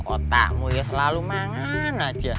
otakmu ya selalu mangan aja